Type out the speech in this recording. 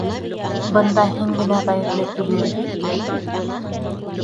— Бында һин генә ғәйепле түгел бит...